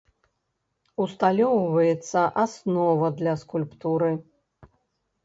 Усталёўваецца аснова для скульптуры.